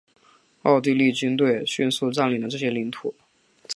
奥地利军队迅速占领了这些领土。